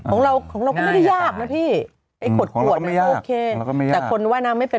ของเราก็ไม่ได้ยากนะพี่ไอ้ขวดโอเคแต่คนว่ายน้ำไม่เป็น